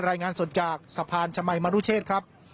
รายงานสดจากสะพานชมัยมรุเชษครับ